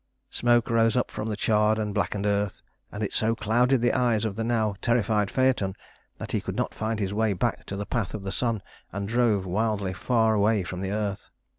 Smoke rose up from the charred and blackened earth, and it so clouded the eyes of the now terrified Phaëton that he could not find his way back to the path of the sun and drove wildly far away from the earth.